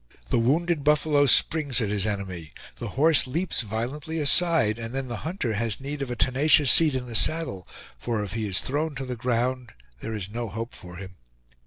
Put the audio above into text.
The wounded buffalo springs at his enemy; the horse leaps violently aside; and then the hunter has need of a tenacious seat in the saddle, for if he is thrown to the ground there is no hope for him.